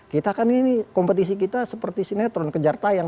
kita kan ini kompetisi kita seperti sinetron kejar tayang